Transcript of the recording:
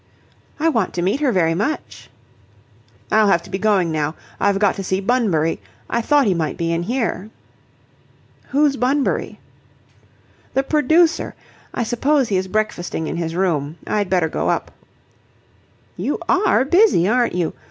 "I want to meet her very much." "I'll have to be going now. I've got to see Bunbury. I thought he might be in here." "Who's Bunbury?" "The producer. I suppose he is breakfasting in his room. I'd better go up." "You are busy, aren't you.